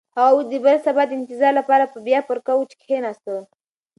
هغه اوس د بل سبا د انتظار لپاره بیا پر کوچ کښېناسته.